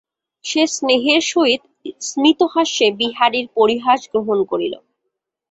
সে স্নেহের সহিত স্মিতহাস্যে বিহারীর পরিহাস গ্রহণ করিল।